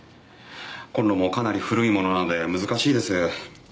コンロもかなり古いものなので難しいです。